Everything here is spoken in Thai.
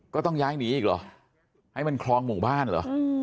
ก็ต้องย้ายหนีอีกเหรอให้มันคลองหมู่บ้านเหรอ